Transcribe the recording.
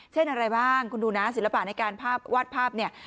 เช่นอะไรบ้างคุณดูนะศิลปะในการภาพวาดภาพเนี่ย